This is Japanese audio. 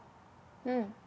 うん。